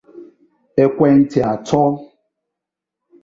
ekwentị atọ